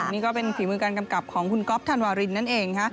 นี่ก็เป็นฝีมือการกำกับของคุณก๊อฟธันวารินนั่นเอง